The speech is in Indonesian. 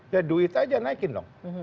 ya duit aja naikin dong